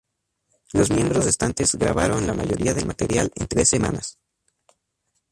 Los miembros restantes grabaron la mayoría del material en tres semanas.